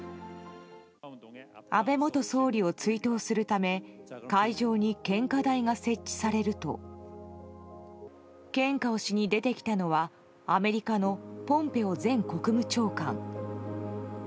安倍元総理を追悼するため会場に献花台が設置されると献花をしに出てきたのはアメリカのポンペオ前国務長官。